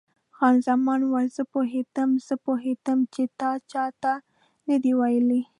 خان زمان وویل: زه پوهېدم، زه پوهېدم چې تا چا ته نه دي ویلي.